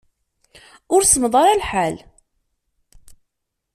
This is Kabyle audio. Ur semmeḍ ara lḥal.